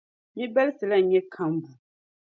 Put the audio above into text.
Mi’ balisi la n-nyɛ kambu.